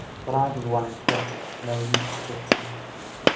'But I was one and twenty, No use to talk to me.